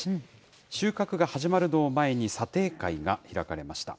収穫が始まるのを前に、査定会が開かれました。